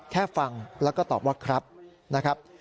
แค่ฟังแล้วก็ตอบว่าครับนะครับ